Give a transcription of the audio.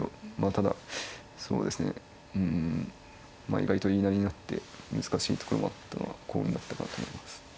ただそうですねうんまあ意外と言いなりになって難しいところもあったのが幸運だったかなと思います。